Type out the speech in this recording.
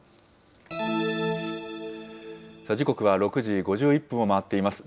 時刻は６時５１分を回っています。